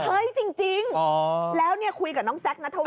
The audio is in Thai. จริงแล้วเนี่ยคุยกับน้องแซคนัทวั